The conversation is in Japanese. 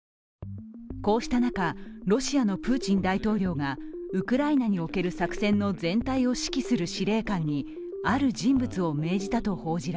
こうした中、ロシアのプーチン大統領がウクライナにおける作戦の全体を指揮する司令官に